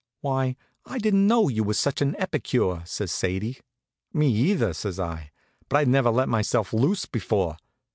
"Why, I didn't know you were such an epicure," says Sadie. "Me either," says I; "but I'd never let myself loose before.